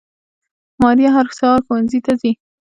ماريه هر سهار ښوونځي ته ځي